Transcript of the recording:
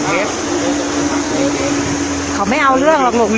อ๋อรถจะชนเราตัวคุณ